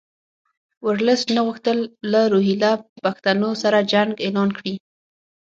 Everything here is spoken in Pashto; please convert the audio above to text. ورلسټ نه غوښتل له روهیله پښتنو سره جنګ اعلان کړي.